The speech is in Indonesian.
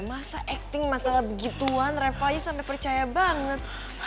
masa acting masalah begituan reva aja sampe percaya banget